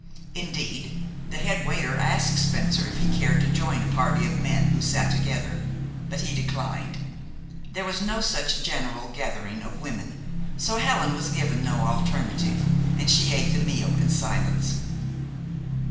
Indeed, the head waiter asked Spencer if he cared to join a party of men who sat together; but he declined. There was no such general gathering of women; so Helen was given no alternative, and she ate the meal in silence.